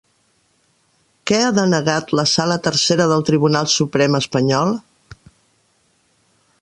Què ha denegat la sala tercera del Tribunal Suprem espanyol?